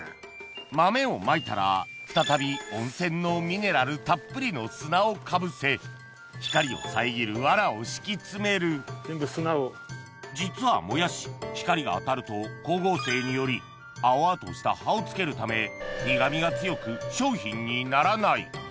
豆をまいたら再び温泉のミネラルたっぷりの砂をかぶせ実はもやし光が当たると光合成により青々とした葉をつけるため苦味が強く商品にならない